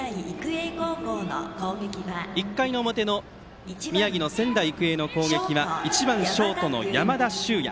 １回の表の宮城の仙台育英の攻撃は１番ショートの山田脩也。